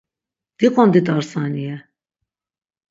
Diqondit ar saniye!